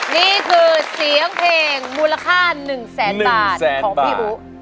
นี่คือเสียงเพลงมูลค่าหนึ่งแสนบาทหนึ่งแสนบาทของพี่อู๋